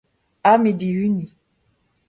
Ha me dihuniñ.